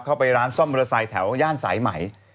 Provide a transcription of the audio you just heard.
เข้าไปร้านซ่อมมอเตอร์ไซค์แถวย่านสายไหม